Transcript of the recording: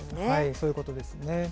そういうことですね。